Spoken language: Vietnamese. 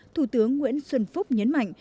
thủ tướng nguyễn xuân phúc nhấn mạnh